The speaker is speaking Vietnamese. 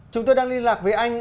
chúng tôi đang liên lạc với anh